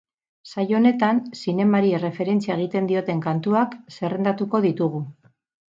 Saio honetan, zinemari erreferentzia egiten dioten kantuak zerrendatuko ditugu.